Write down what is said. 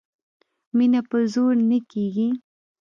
مینه په زور نه کېږي